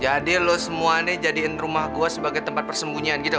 jadi lu semua nih jadiin rumah gue sebagai tempat persembunyian gitu